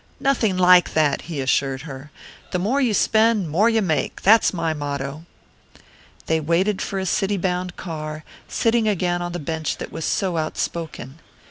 "Nothing like that," he assured her. "More you spend, more you make that's my motto." They waited for a city bound car, sitting again on the bench that was so outspoken.